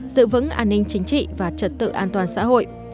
giữ vững an ninh chính trị và trật tự an toàn xã hội